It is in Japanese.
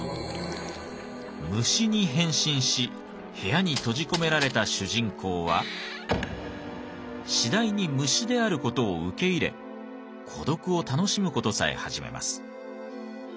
虫に変身し部屋に閉じ込められた主人公は次第に虫である事を受け入れ孤独を楽しむ事さえ始めます。